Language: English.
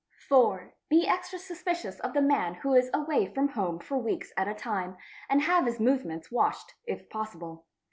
4. Be extra suspicious of the man who is away from home for weeks at a time, and have his movements watched, if possible.